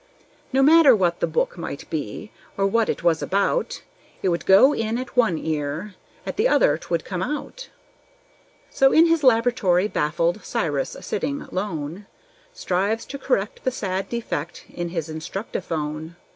No matter what the book might be, or what it was about, It would go in at one ear, at the other 'twould come out! So in his laboratory, baffled Cyrus sitting lone, Strives to correct the sad defect in his Instructiphone.